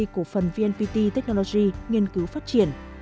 của phần vnpt technology nghiên cứu phát triển